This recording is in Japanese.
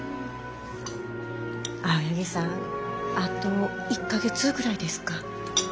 青柳さんあと１か月ぐらいですか？